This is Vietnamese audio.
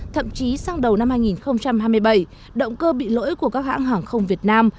thậm chí sang đầu năm hai nghìn hai mươi bảy động cơ bị lỗi của các hãng hàng không việt nam